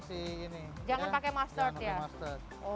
jangan pakai mustard ya